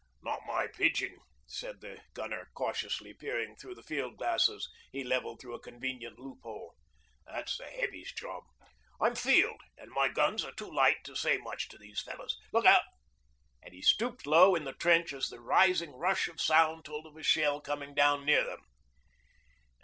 'Not my pidgin,' said the gunner, cautiously peering through the field glasses he levelled through a convenient loophole. 'That's the Heavies' job. I'm Field, and my guns are too light to say much to these fellows. Look out!' and he stooped low in the trench as the rising rush of sound told of a shell coming down near them.